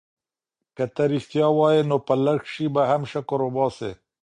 که ته ریښتیا وایې نو په لږ شي به هم شکر وباسې.